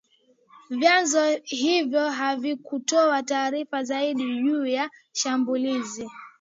Vyanzo hivyo havikutoa taarifa zaidi juu ya shambulizi